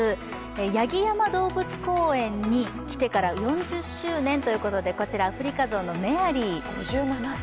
八木山動物公園に来てから４０周年ということでこちら、アフリカ象のメアリー。